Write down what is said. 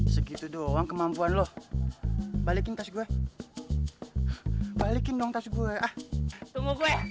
segitu doang kemampuan lo balikin tas gue balikin dong tas gue ah tunggu gue ya